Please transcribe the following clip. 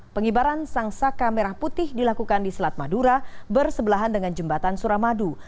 pengibaran sang saka merah putih dilakukan di selat madura bersebelahan dengan jembatan suramadu